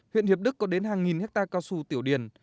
huyện hiệp đức có đến hàng nghìn hectare cao su tiểu điền